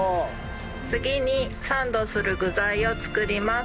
次にサンドする具材を作ります。